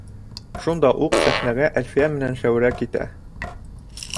Шунда уҡ сәхнәгә Әлфиә менән Шәүрә китә.